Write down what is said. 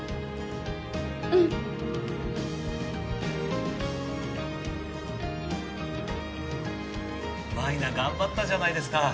うん舞菜頑張ったじゃないですか